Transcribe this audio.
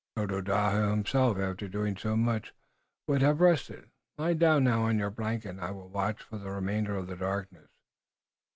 "Tododaho himself, after doing so much, would have rested. Lie down now on your blanket and I will watch for the remainder of the darkness.